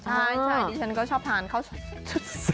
ใช่ผมก็ชอบทานข้าวซอย๐๐๐